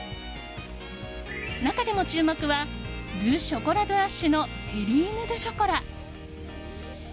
中でも注目はルショコラドゥアッシュのテリーヌドゥショコラ。